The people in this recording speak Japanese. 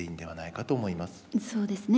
そうですね